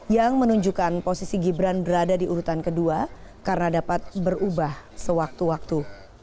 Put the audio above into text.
yang menunjukkan posisi gibran berada di urutan kedua karena dapat berubah sewaktu waktu